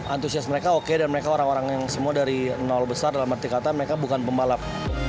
antusias mereka oke dan mereka orang orang yang semua dari nol besar dalam arti kata mereka bukan pembalap